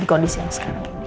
di kondisi yang sekarang ini